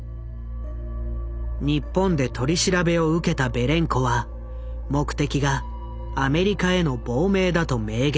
日本で取り調べを受けたベレンコは目的がアメリカへの亡命だと明言。